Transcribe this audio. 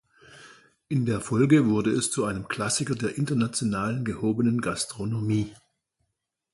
In der Folge wurde es zu einem Klassiker der internationalen gehobenen Gastronomie.